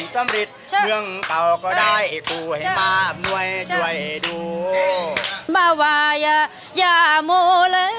สวัสดีค่ะขอต้อนรับทุกท่านเข้าสู่รายการ